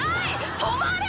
「止まれ！